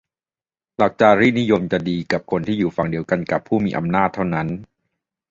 หลักจารีตนิยมจะดีกับคนที่อยู่ฝั่งเดียวกันกับผู้มีอำนาจเท่านั้น